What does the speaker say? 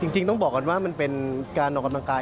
จริงต้องบอกก่อนว่ามันเป็นการออกกำลังกาย